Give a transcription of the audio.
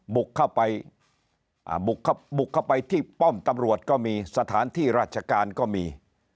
บุกเข้าไปที่ป้อมตำรวจก็มีสถานที่ราชการก็มี